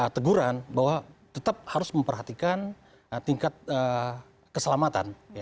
teguran bahwa tetap harus memperhatikan tingkat keselamatan